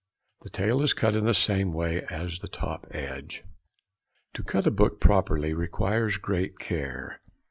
The tail is cut in the same way as the top edge. To cut a book properly requires great care.